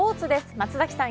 松崎さん